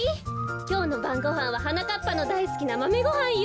きょうのばんごはんははなかっぱのだいすきなマメごはんよ。